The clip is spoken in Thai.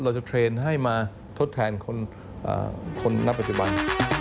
เราจะเทรนให้มาทดแทนคนนักประจบัน